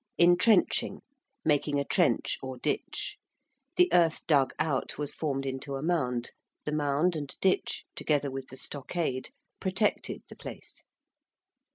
~entrenching~: making a trench or ditch. The earth dug out was formed into a mound. The mound and ditch, together with the stockade, protected the place.